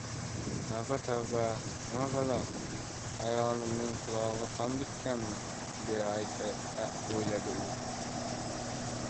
Tavba-tavba! “Nima balo, ayolimning qulogʻi tom bitganmi?!” deb oʻyladi u.